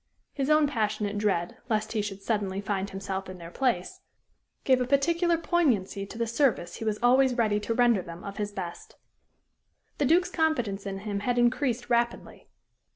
His own passionate dread lest he should suddenly find himself in their place, gave a particular poignancy to the service he was always ready to render them of his best. The Duke's confidence in him had increased rapidly.